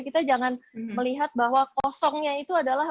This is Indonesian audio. kita jangan melihat bahwa kosongnya itu adalah